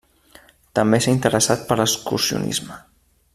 També s'ha interessat per l'excursionisme.